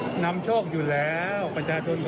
วันอาจารย์กรุงเทพฯหลานครเบอร์๖